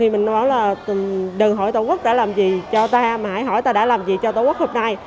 mình nói là đòi hỏi tổ quốc đã làm gì cho ta mà hãy hỏi ta đã làm gì cho tổ quốc hôm nay